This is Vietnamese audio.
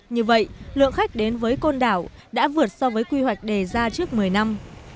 như vậy lượng khách đến với côn đảo đã vượt so với quy hoạch đề ra trước một mươi năm